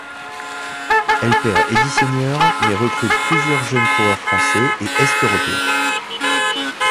Elle perd Eddy Seigneur, mais recrute plusieurs jeunes coureurs français et est-européens.